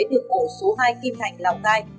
được ổ số hai kim hành lào cai